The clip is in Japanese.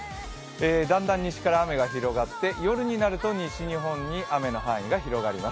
だんだん西から雨が広がって夜になると西日本に雨の範囲が広がります。